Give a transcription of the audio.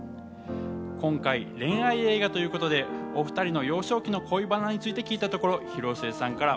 今回、恋愛映画ということで、お２人の幼少期の恋バナについて聞いたところ、広末さんから